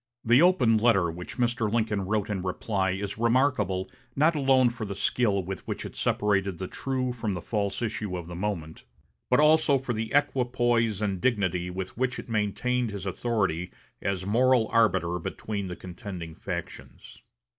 The open letter which Mr. Lincoln wrote in reply is remarkable not alone for the skill with which it separated the true from the false issue of the moment, but also for the equipoise and dignity with which it maintained his authority as moral arbiter between the contending factions.